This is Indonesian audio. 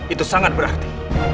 itu sangat berarti